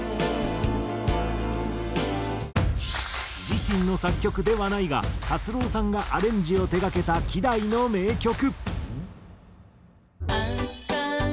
自身の作曲ではないが達郎さんがアレンジを手がけた希代の名曲。